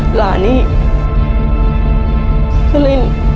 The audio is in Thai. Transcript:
หลานี่อีก